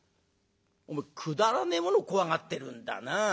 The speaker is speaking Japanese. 「おめえくだらねえもの怖がってるんだな。